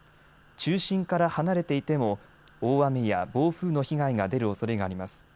中心から離れていても大雨や暴風の被害が出るおそれがあります。